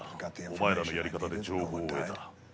お前らのやり方で情報を得た。